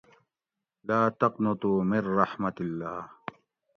لا تقنطو مِن الرحمت اللّہ